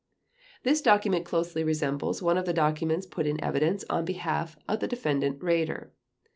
This document closely resembles one of the documents put in evidence on behalf of the Defendant Raeder.